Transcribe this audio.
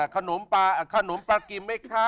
ขนมปลากิมไหมคะ